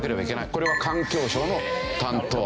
これは環境省の担当。